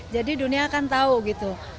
dunia akan tahu gitu